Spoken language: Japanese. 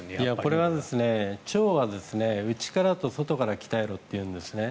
これは腸は内からと外から鍛えろというんですね。